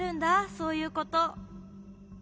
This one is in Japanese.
そういうこと。